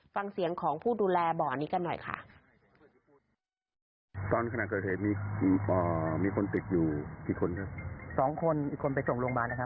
ฟังเสียงของผู้ดูแลบ่อนี้กันหน่อยค่ะ